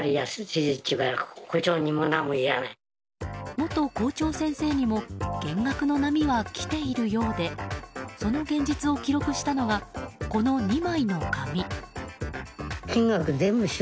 元校長先生にも減額の波は来ているようでその現実を記録したのがこの２枚の紙。